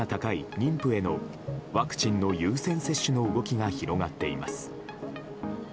妊婦へのワクチンの優先接種の動きが広がっています。